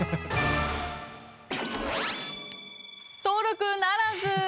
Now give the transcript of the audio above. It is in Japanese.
登録ならず。